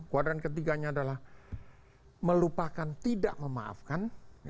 kuadran ketiganya adalah melupakan tidak memaafkan